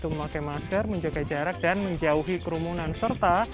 memakai masker menjaga jarak dan menjauhi kerumunan serta